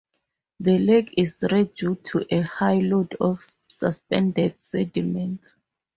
The lake is red due to a high load of suspended sediments.